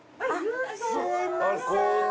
すいません。